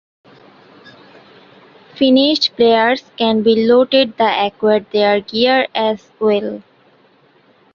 Finished players can be looted to acquire their gear as well.